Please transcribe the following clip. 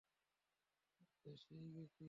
আমি তো এসেই গেছি।